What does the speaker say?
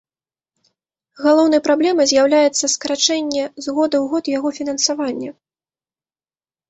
Галоўнай праблемай з'яўляецца скарачэнне з года ў год яго фінансавання.